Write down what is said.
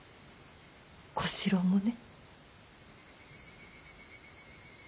小四郎もね。